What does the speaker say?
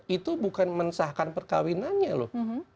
itu bukan mensahkan perkawinannya loh